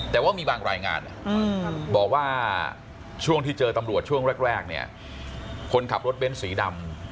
แต่ว่ามีบางรายงานบอกว่าช่วงที่เจอตำรวจช่วงแรกเนี่ยคนขับรถเบ้นสีดำ